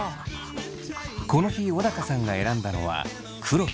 この日小高さんが選んだのは黒と赤のマジック。